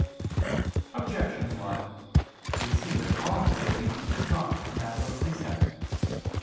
Objection 1: It would seem that almsgiving is not a matter of precept.